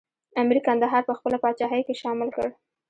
امیر کندهار په خپله پاچاهۍ کې شامل کړ.